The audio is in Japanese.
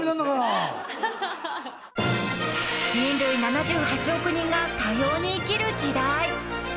［人類７８億人が多様に生きる時代］